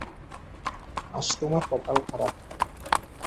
আজ তোমার কপাল খারাপ।